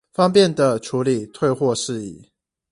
方便地處理退貨事宜